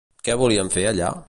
Què volien fer allà?